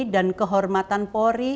dan kehormatan poli